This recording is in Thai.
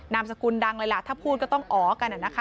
นามสกุลดังเลยล่ะถ้าพูดก็ต้องอ๋อกันนะคะ